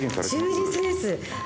忠実です。